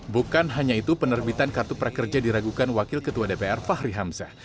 bukan hanya itu penerbitan kartu prakerja diragukan wakil ketua dpr fahri hamzah